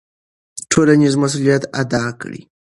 ټولنیز مسوولیت ادا کړئ.